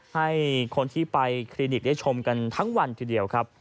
ให้คนที่ไปคลินิกได้ชมกันทั้งวันทีเดียวครับ